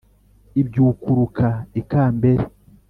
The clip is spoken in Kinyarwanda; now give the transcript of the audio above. Ibyukuruka i Kambere